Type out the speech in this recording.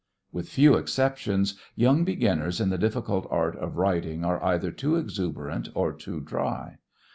With few exceptions, young beginners in the difficult art of writing are either too exuberant or too dry.